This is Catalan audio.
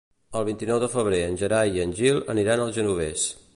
El vint-i-nou de febrer en Gerai i en Gil aniran al Genovés.